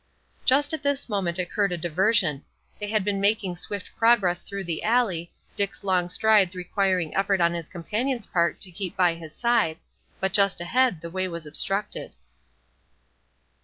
Just at this moment occurred a diversion; they had been making swift progress through the alley, Dick's long strides requiring effort on his companion's part to keep by his side, but just ahead the way was obstructed.